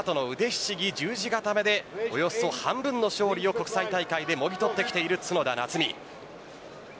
ひしぎ十字固でおよそ半分の勝利を国際大会でもぎ取ってきている角田夏実。